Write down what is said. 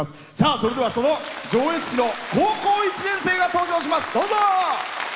それでは、上越市の高校１年生が登場します。